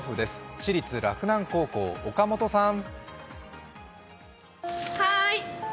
私立洛南高校、岡本さん。